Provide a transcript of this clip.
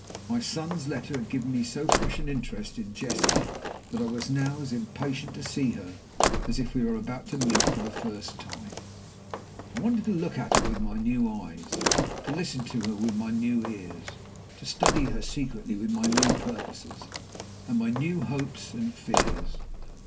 My son's letter had given me so fresh an interest in Jessie that I was now as impatient to see her as if we were about to meet for the first time. I wanted to look at her with my new eyes, to listen to her with my new ears, to study her secretly with my new purposes, and my new hopes and fears.